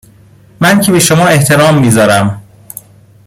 من که به شما احترام میذارم